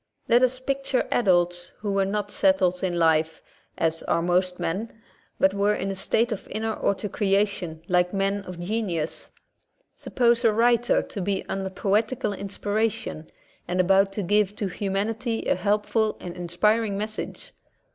Let us picture adults who were not settled in life, as are most men, but were in a state of inner autocreation like men of genius. Sup pose a writer to be under poetical inspiration, and about to give to humanity a helpful and inspiring message.